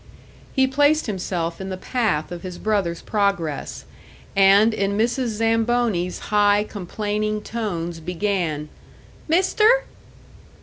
He placed himself in the path of his brother's progress, and in Mrs. Zamboni's high, complaining tones, began, "Mister!"